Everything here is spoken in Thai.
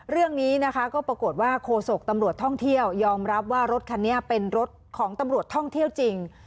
เรื่องนี้นะคะก็ปรากฏว่าโคศกตำรวจท่องเที่ยวยอมรับว่ารถคันนี้เป็นรถของตำรวจท่องเที่ยวจริง